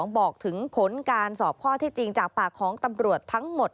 บอกถึงผลการสอบข้อที่จริงจากปากของตำรวจทั้งหมด